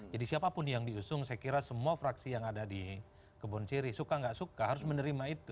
jadi siapapun yang diusung saya kira semua fraksi yang ada di kebun ciri suka nggak suka harus menerima itu